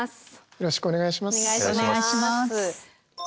よろしくお願いします。